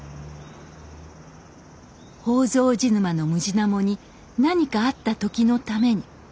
宝蔵寺沼のムジナモに何かあった時のために。